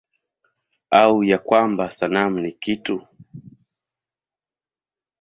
Au ya kwamba sanamu ni kitu?